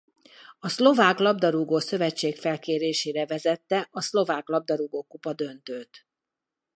A Szlovák labdarúgó-szövetség felkérésére vezette a Szlovák labdarúgókupa döntőt.